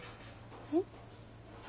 えっ？